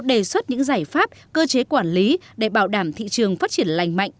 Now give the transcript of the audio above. đề xuất những giải pháp cơ chế quản lý để bảo đảm thị trường phát triển lành mạnh